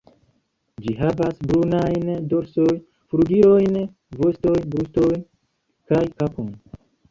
Ĝi havas brunajn dorson, flugilojn, voston, bruston kaj kapon.